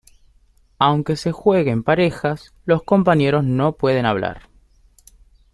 Aunque se juegue en parejas, los compañeros no pueden hablar.